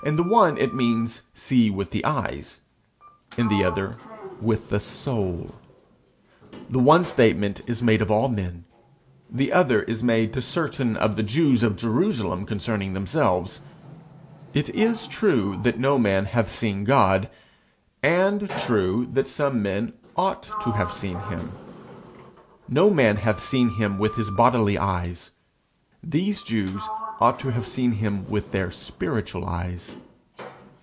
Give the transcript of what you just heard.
In the one it means see with the eyes; in the other, with the soul. The one statement is made of all men; the other is made to certain of the Jews of Jerusalem concerning themselves. It is true that no man hath seen God, and true that some men ought to have seen him. No man hath seen him with his bodily eyes; these Jews ought to have seen him with their spiritual eyes.